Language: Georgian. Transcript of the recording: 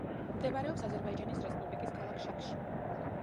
მდებარეობს აზერბაიჯანის რესპუბლიკის ქალაქ შაქში.